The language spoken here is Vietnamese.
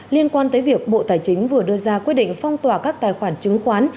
liên quan tới việc bộ tài chính vừa đưa ra quyết định phong tỏa các tài khoản chứng khoán